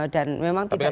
dan memang tidak disana